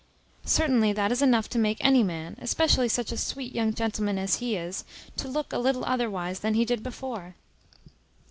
Certainly that is enough to make any man, especially such a sweet young gentleman as he is, to look a little otherwise than he did before.